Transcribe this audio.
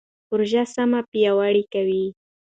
پروژه سیمه پیاوړې کوي.